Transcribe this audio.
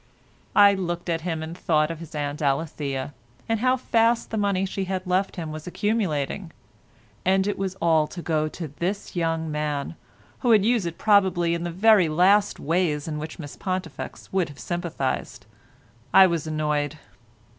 I looked at him and thought of his aunt Alethea, and how fast the money she had left him was accumulating; and it was all to go to this young man, who would use it probably in the very last ways with which Miss Pontifex would have sympathised. I was annoyed.